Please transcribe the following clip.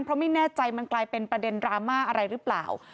เพราะไม่แน่ใจมันกลายเป็นประเด็นดราม่าอะไรหรือเปล่า